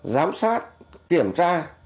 giám sát kiểm tra